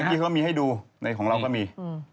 เมื่อกี้เขามีให้ดูของเราก็มี